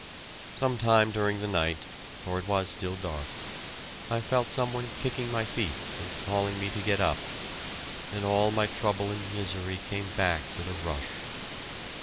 Some time during the night for it was still dark I felt some one kicking my feet and calling me to get up, and all my trouble and misery came back with a rush.